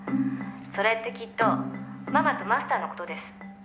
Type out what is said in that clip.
「それってきっとママとマスターの事です」